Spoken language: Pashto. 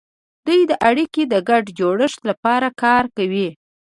دوی د اړیکو د ګډ جوړښت لپاره کار کوي